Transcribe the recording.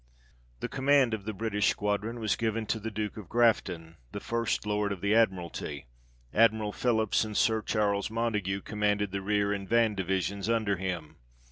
The command of the British squadron was given to the Duke of Grafton, the First Lord of the Admiralty : Admiral Philips and Sir Charles Montague commanded the rear and van divisions under him.